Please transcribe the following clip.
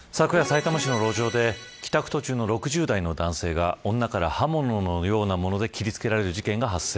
昨夜、さいたま市の路上で帰宅途中の６０代の男性が女に刃物のようなもので切りつけられる事件が発生。